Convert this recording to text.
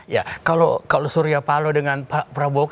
ya kalau surya palo dengan pak prabowo